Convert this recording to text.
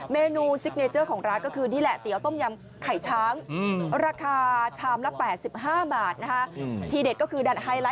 เมนูซิกเนเจอร์ของร้านก็คือนี่แหละเตี๋ยวต้มยำไข่ช้างราคาชามละ๘๕บาทนะฮะ